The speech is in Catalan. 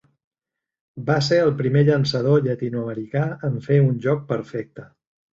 Va ser el primer llançador llatinoamericà en fer un joc perfecte.